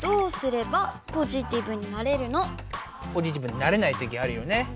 ポジティブになれないときあるよね。